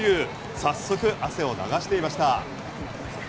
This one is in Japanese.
早速、汗を流していました。